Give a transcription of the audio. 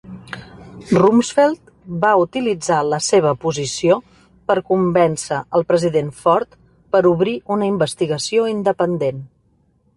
Rumsfeld va utilitzar la seva posició per convèncer el president Ford per obrir una investigació independent.